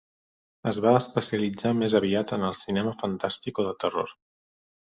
Es va especialitzar més aviat en el cinema fantàstic o de terror.